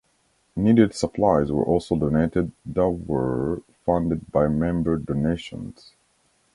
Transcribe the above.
Needed supplies were also donated that were funded by member donations.